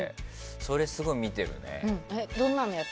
それをすごい見てるんだよね。